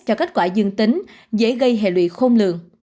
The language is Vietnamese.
cho kết quả dương tính dễ gây hệ lụy khôn lường